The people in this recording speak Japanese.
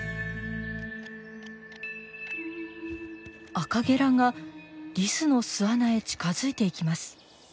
アカゲラがリスの巣穴へ近づいていきます。